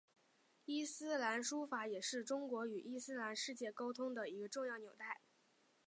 伊斯兰书法也是中国与伊斯兰世界沟通的一个重要纽带。